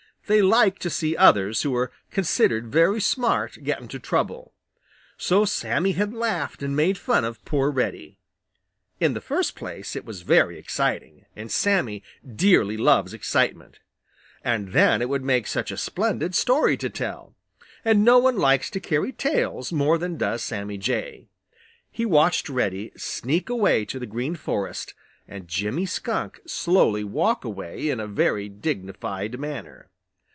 They like to see others who are considered very smart get into trouble. So Sammy had laughed and made fun of poor Reddy. In the first place it was very exciting, and Sammy dearly loves excitement. And then it would make such a splendid story to tell, and no one likes to carry tales more than does Sammy Jay. He watched Reddy sneak away to the Green Forest, and Jimmy Skunk slowly walk away in a very dignified manner.